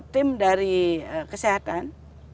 tim dari kesehatan